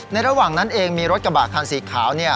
ระหว่างนั้นเองมีรถกระบะคันสีขาว